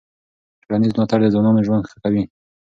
ټولنیز ملاتړ د ځوانانو ژوند ښه کوي.